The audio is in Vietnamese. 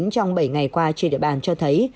trong bảy ngày qua trên địa bàn cho thấy